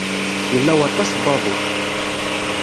Yella waṭas n waḍu.